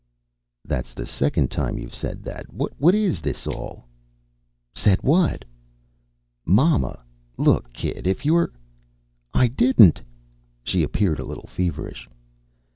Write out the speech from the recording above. _" "That's the second time you've said that. What is this all " "Said what?" "Mama. Look, kid, if you're " "I didn't." She appeared a little feverish.